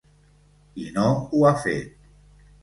I no ho ha fet.